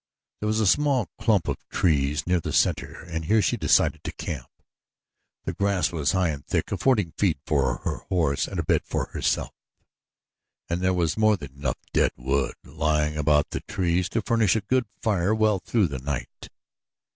There was a small clump of trees near the center and here she decided to camp. The grass was high and thick, affording feed for her horse and a bed for herself, and there was more than enough dead wood lying about the trees to furnish a good fire well through the night.